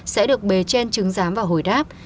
sẽ được bề trên chứng giám và hồi đáp